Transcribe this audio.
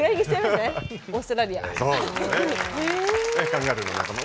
カンガルーの仲間